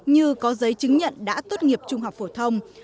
như có giấy chứng nhận đã tốt nghiệp trung học phổ thông